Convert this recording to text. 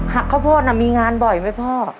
หักเข้าโพธิ์น่ะมีงานบ่อยไหมพ่อ